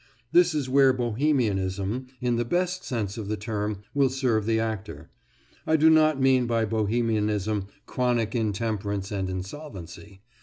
This is where Bohemianism, in the best sense of the term, will serve the actor. I do not mean by Bohemianism chronic intemperance and insolvency.